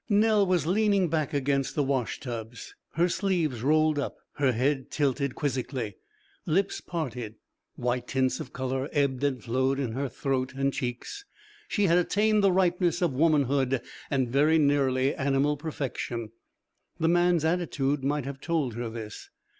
Nell was leaning back against the washtubs, her sleeves rolled up, her head tilted quizzically, lips parted, while tints of colour ebbed and flowed in her throat and cheeks. She had attained the ripeness of womanhood and very nearly animal perfection. The man's attitude might have told her this.